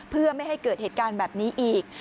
เพื่อไม่ให้เกิดเหตุการณ์แบบนี้อีก